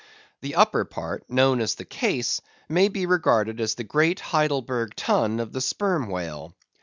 The upper part, known as the Case, may be regarded as the great Heidelburgh Tun of the Sperm Whale.